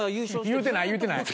言うてない言うてない。